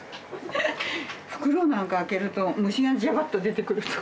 袋なんか開けると虫がジャバッと出てくると。